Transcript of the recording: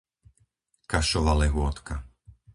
Kašova Lehôtka